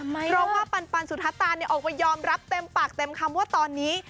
เพราะว่าปันสุธาตาออกมายอมรับเต็มปากเต็มคำว่าตอนนี้